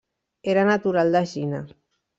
Era natural d'Egina.